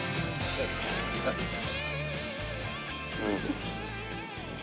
うん。